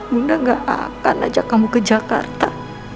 bunda gak akan ajak kamu ke jakarta